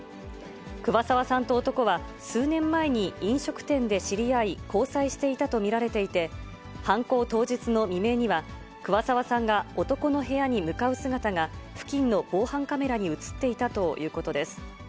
桑沢さんと男は、数年前に飲食店で知り合い、交際していたと見られていて、犯行当日の未明には、桑沢さんが男の部屋に向かう姿が、付近の防犯カメラに写っていたということです。